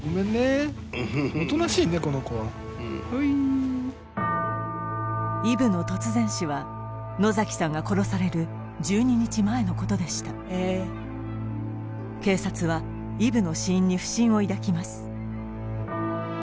この子はイブの突然死は野さんが殺される１２日前のことでした警察はイブの死因に不審を抱きます